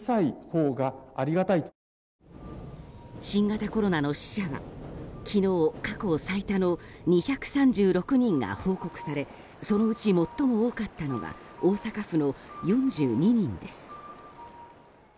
新型コロナの死者は昨日、過去最多の２３６人が報告されそのうち最も多かったのが大阪府の４２人です。